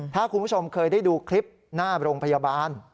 ถ้าคุณผู้ชมเคยได้ดูคลิปหน้าโรงพยาบาล